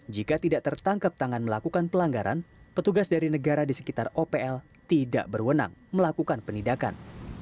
jika tidak tertangkap tangan melakukan pelanggaran petugas dari negara di sekitar opl tidak berwenang melakukan penindakan